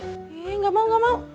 eh gak mau gak mau